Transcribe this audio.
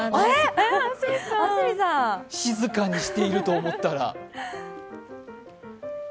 静かにしていると思ったら。